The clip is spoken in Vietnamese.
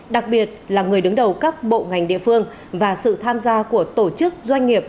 đặc biệt là người đứng đầu các bộ ngành địa phương và sự tham gia của tổ chức doanh nghiệp